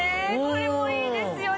これもいいですよね。